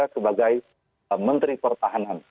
sebagai menteri pertahanan